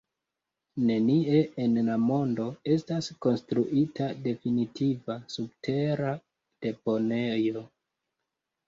Nenie en la mondo estas konstruita definitiva subtera deponejo.